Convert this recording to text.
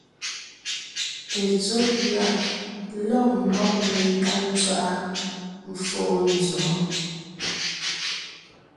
Petsɔ́ pʉ̀a lɔ̂g mɔ́b menkáb ntswaʼá fóo nzɔ̌?